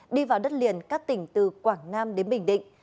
đi vào đất liền các tỉnh từ quảng nam đến bình định